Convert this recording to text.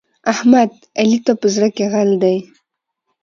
احمد؛ علي ته په زړه کې غل دی.